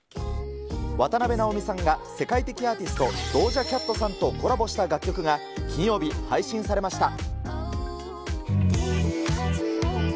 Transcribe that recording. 渡辺直美さんが世界的アーティスト、ドージャ・キャットさんとコラボした楽曲が、金曜日、配信されました。